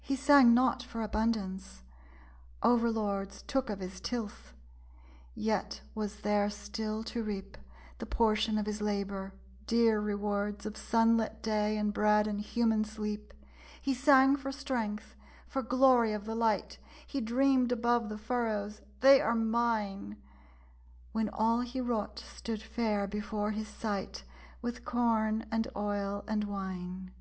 He sang not for abundance. Over lords Took of his tilth. Yet was there still to reap, The portion of his labor; dear rewards Of sunlit day, and bread, and human sleep. He sang for strength; for glory of the light. He dreamed above the furrows, 'They are mine!' When all he wrought stood fair before his sight With corn, and oil, and wine.